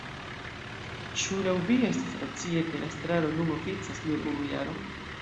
Ĉu laŭ vi estas racie, ke la estraro nun oficas nur unu jaron?